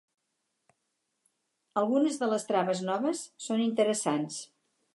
Algunes de les traves noves són interessants.